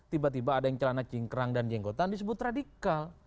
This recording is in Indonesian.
tiba tiba ada yang celana cingkrang dan jenggotan disebut radikal